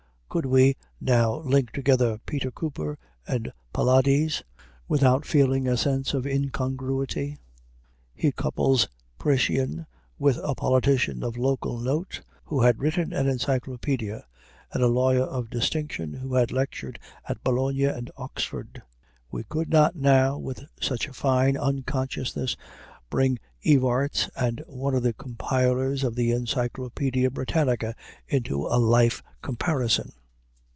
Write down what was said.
Could we now link together Peter Cooper and Pylades, without feeling a sense of incongruity? He couples Priscian with a politician of local note who had written an encyclopædia and a lawyer of distinction who had lectured at Bologna and Oxford; we could not now with such fine unconsciousness bring Evarts and one of the compilers of the Encyclopædia Britannica into a life comparison.